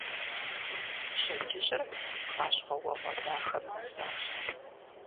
Пщэдджыжьыр бгъащхъуэуэгъуэ дахэм нэсащ.